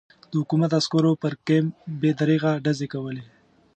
د حکومت عسکرو پر کمپ بې دریغه ډزې کولې.